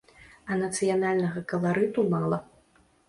А нацыянальнага каларыту мала.